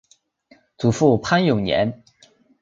祖父潘永年。